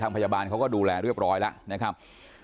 พยาบาลเขาก็ดูแลเรียบร้อยแล้วนะครับ